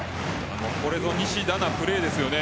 これぞ西田なプレーですよね。